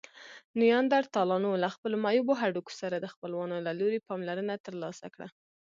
نیاندرتالانو له خپلو معیوبو هډوکو سره د خپلوانو له لوري پاملرنه ترلاسه کړه.